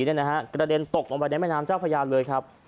เจนตกออกมาในแม่น้ำเจ้าพยานเลยครับ